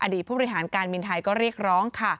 ผู้บริหารการบินไทยก็เรียกร้องค่ะ